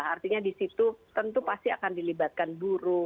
artinya di situ tentu pasti akan dilibatkan buruh